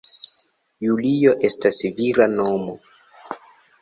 Julio estas vira nomo.